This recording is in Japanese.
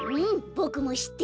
ボクもしってる！